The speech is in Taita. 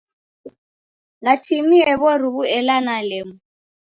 Natimie w'oruw'u ela nelemwa.